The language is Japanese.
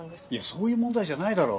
そういう問題じゃないだろ。